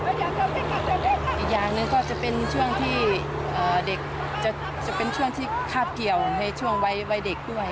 อีกอย่างหนึ่งก็จะเป็นช่วงที่เด็กจะเป็นช่วงที่คาดเกี่ยวให้ช่วงวัยเด็กด้วย